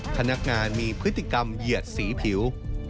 พนักงานมีพฤติกรรมเหยียดสีผิว